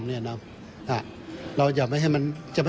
ช่วยให้สามารถสัมผัสถึงความเศร้าต่อการระลึกถึงผู้ที่จากไป